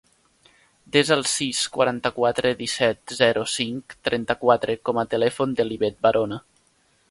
Desa el sis, quaranta-quatre, disset, zero, cinc, trenta-quatre com a telèfon de l'Ivet Barona.